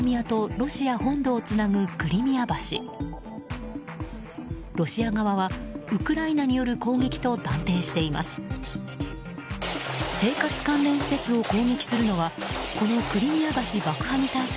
ロシア側はウクライナによる攻撃と断定しています。